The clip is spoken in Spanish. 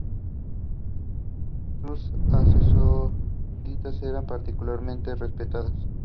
Sus sacerdotisas eran particularmente respetadas.